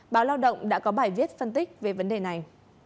báo lao động đã có bài viết phân tích về vấn đề này